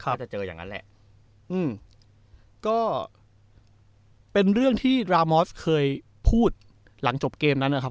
ก็จะเจออย่างนั้นแหละอืมก็เป็นเรื่องที่ดรามอสเคยพูดหลังจบเกมนั้นนะครับ